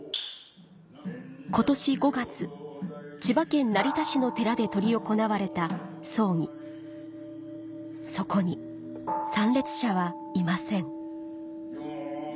今年５月千葉県成田市の寺で執り行われた葬儀そこに参列者はいません